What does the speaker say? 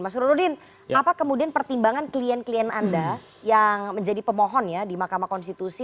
mas rudin apa kemudian pertimbangan klien klien anda yang menjadi pemohon ya di mahkamah konstitusi